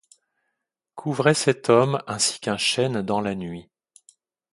Couvraient cet homme ainsi qu’un chêne dans la nuit.